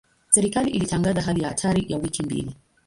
Serikali ilitangaza hali ya hatari ya wiki mbili.